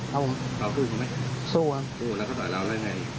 แล้วก็ต่อยเราแล้วไง